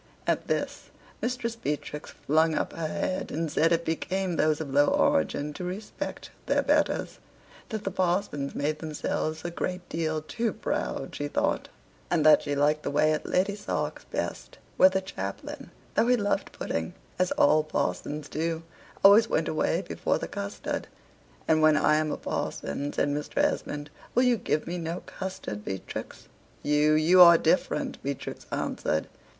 At this Mistress Beatrix flung up her head, and said it became those of low origin to respect their betters; that the parsons made themselves a great deal too proud, she thought; and that she liked the way at Lady Sark's best, where the chaplain, though he loved pudding, as all parsons do, always went away before the custard. "And when I am a parson," says Mr. Esmond, "will you give me no custard, Beatrix?" "You you are different," Beatrix answered.